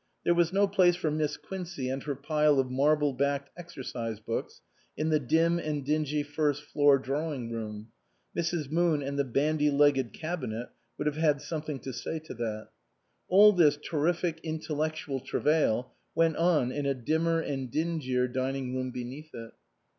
There was no place for Miss Quoeey and her pile of marble backed exercise books in the dim end dingy first floor drawing room (Mrs. Moon and the bandy legged cabinet would have had something to say to that). All this terrific intellectual travail went on in a dimmer and dingier dining room beneath it.